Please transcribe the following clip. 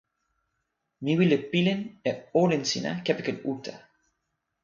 mi wile pilin e olin sina kepeken uta.